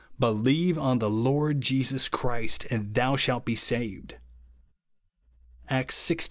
Believe on the Lord Jesus Christ, and thou shalt be saved/' (Acts xvi.